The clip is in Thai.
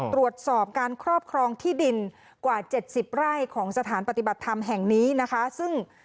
ตรวจสอบการครอบครองที่ดินกว่า๗๐ไร่ของสถานปฏิบัติธรรมแห่งนี้นะคะซึ่ง